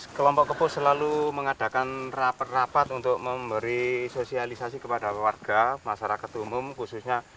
kelompok kepus selalu mengadakan rapat rapat untuk memberi sosialisasi kepada warga masyarakat umum khususnya